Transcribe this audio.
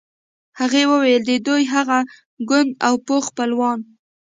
هغې وویل د دوی هغه کونډ او پوخ خپلوان.